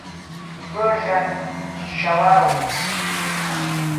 Игәырӷьа-ччалароуп.